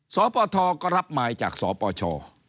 สอปอทอก็รับไม้จากสอปอชอ